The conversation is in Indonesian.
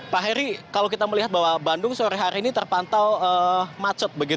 pak heri kalau kita melihat bahwa bandung sore hari ini terpantau macet